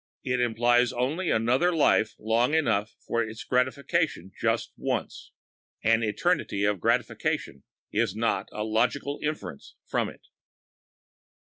It implies only another life long enough for its gratification just once. An eternity of gratification is not a logical inference from it.